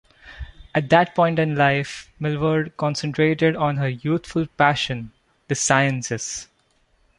At that point in life, Millward concentrated on her youthful passion, the sciences.